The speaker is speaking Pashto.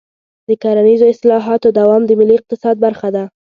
د کرنیزو اصلاحاتو دوام د ملي اقتصاد برخه ده.